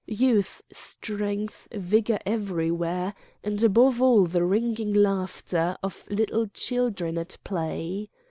Youth, strength, vigor everywhere, and above all the ringing laughter of little children at play.